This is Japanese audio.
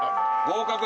合格。